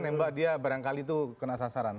menembak dia barangkali itu kena sasaran